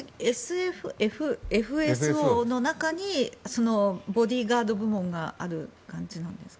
ＦＳＯの中にボディーガード部門がある感じなんですか？